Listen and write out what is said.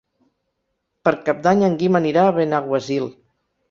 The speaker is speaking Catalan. Per Cap d'Any en Guim anirà a Benaguasil.